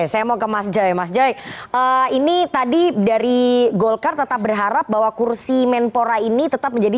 saya mau ke mas joy mas joy ini tadi dari golkar tetap berharap bahwa kursi menpora ini tetap menjadi